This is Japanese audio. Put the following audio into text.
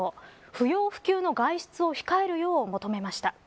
不要不急の外出を控えるよう求めました。